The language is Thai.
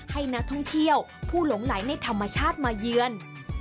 ให้นักท่องเที่ยวผู้หลงไหลในธรรมชาติมาเยือน